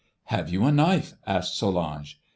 "'Have you a knife?' asked Solange.